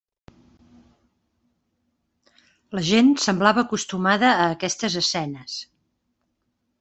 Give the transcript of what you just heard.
La gent semblava acostumada a aquestes escenes.